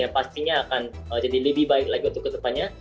pasti akan jadi lebih baik lagi untuk ke depannya